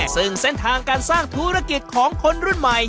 ซึ่งเส้นทางการสร้างธุรกิจของคนรุ่นใหม่